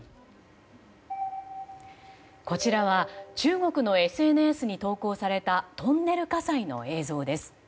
こちらは中国のＳＮＳに投稿されたトンネル火災の映像です。